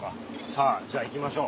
さぁじゃあ行きましょう。